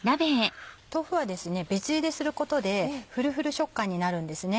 豆腐はですね別ゆですることでフルフル食感になるんですね。